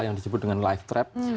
yang disebut dengan lifetrap